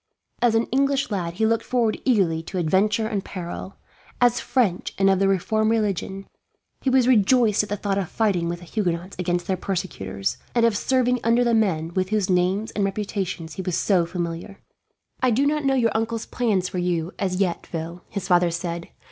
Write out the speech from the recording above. As an English lad, he looked forward eagerly to adventure and peril; as French and of the reformed religion, he was rejoiced at the thought of fighting with the Huguenots against their persecutors, and of serving under the men with whose names and reputations he was so familiar. "I do not know your uncle's plans for you, as yet, Phil," his father said.